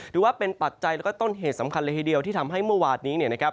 ถือว่าเป็นปัจจัยแล้วก็ต้นเหตุสำคัญเลยทีเดียวที่ทำให้เมื่อวานนี้เนี่ยนะครับ